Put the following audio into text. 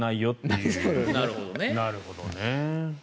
なるほどね。